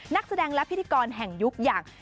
นักแสดงและพิธีกรแห่งยุคอย่าง